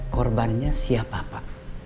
korbannya siapa pak